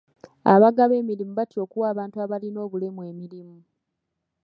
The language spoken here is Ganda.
Abagaba emirimu batya okuwa abantu abalina obulemu emirimu.